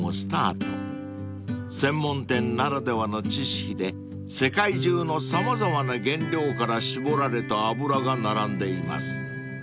［専門店ならではの知識で世界中の様々な原料から搾られた油が並んでいます］